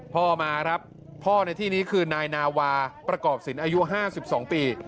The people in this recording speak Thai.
พ่อมาครับพ่อในที่นี้คือนายนาวาประกอบศิลป์อายุ๕๒ปี